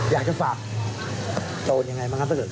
อยากจะฝากโจทย์อย่างไรมั้งครับเตอร์